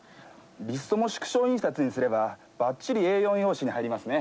リストも縮小印刷にすればばっちりＡ４用紙に入りますね。